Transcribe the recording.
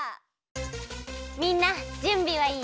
みんなじゅんびはいい？